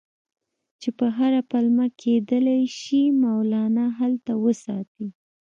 چې په هره پلمه کېدلای شي مولنا هلته وساتي.